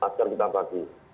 masker kita bagi